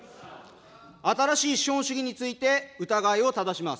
新しい資本主義について、疑いをただします。